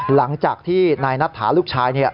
หลังจากที่นายนัทถาลูกชาย